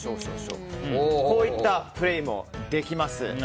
こういったプレーもできます。